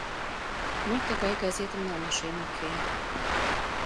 — Мый тыгай газетым налмашеш уке.